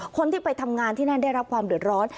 คนที่ไปทำงานที่นั่นได้รับความเดือดร้อน